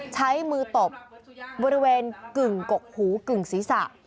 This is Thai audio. ใช้มือตบบริเวณกึ่งกกหูกึ่งศีรษะ